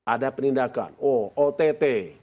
ada penindakan oh ott